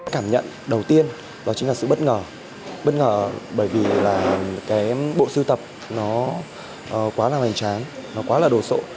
cảm nhận đầu tiên là sự bất ngờ bởi vì bộ siêu tập quá là hoành tráng quá là đồ sộ